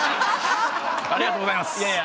ありがとうございます。